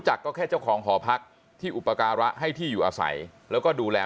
จากก็แค่เจ้าของหอพักที่อุปการะให้ที่อยู่อาศัยแล้วก็ดูแล